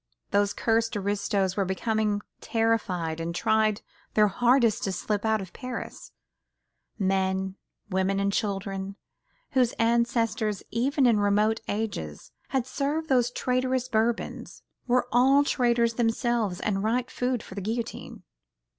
Those cursed aristos were becoming terrified and tried their hardest to slip out of Paris: men, women and children, whose ancestors, even in remote ages, had served those traitorous Bourbons, were all traitors themselves and right food for the guillotine.